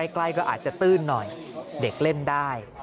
ใกล้ก็อาจจะตื้นหน่อยเด็กเล่นได้